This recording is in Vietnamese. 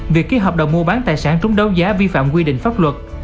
việc ký hợp đồng mua bán tài sản trúng đấu giá vi phạm quy định pháp luật